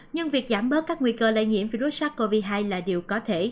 nhưng việc giảm bớt các nguy cơ lây nhiễm virus sars cov hai là điều có thể